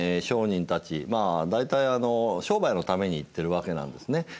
商人たちまあ大体商売のために行っているわけなんですね。